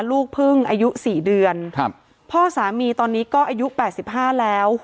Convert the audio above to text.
ลูกพึ่งอายุสี่เดือนครับพ่อสามีตอนนี้ก็อายุแปดสิบห้าแล้ว